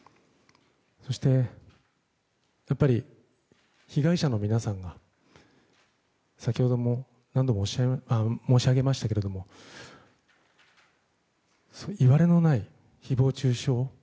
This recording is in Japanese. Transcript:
そしてやっぱり被害者の皆さんは先ほども何度も申し上げましたけれどもいわれのない誹謗中傷